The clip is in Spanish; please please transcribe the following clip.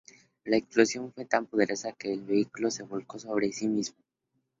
La explosión fue tan poderosa que el vehículo se volcó sobre sí mismo.